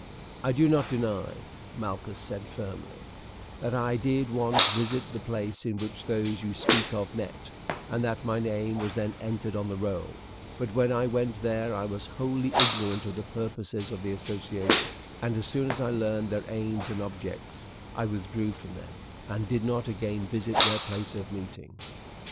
"I do not deny," Malchus said firmly, "that I did once visit the place in which those you speak of met, and that my name was then entered on the roll; but when I went there I was wholly ignorant of the purposes of the association, and as soon as I learned their aims and objects I withdrew from them, and did not again visit their place of meeting."